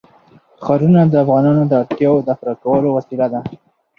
ښارونه د افغانانو د اړتیاوو د پوره کولو وسیله ده.